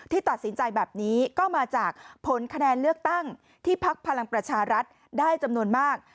ตัดสินใจแบบนี้ก็มาจากผลคะแนนเลือกตั้งที่พักพลังประชารัฐได้จำนวนมาก